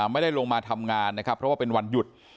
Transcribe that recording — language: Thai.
ไม่ได้ลงมาทำงานนะครับเพราะว่าเป็นวันหยุด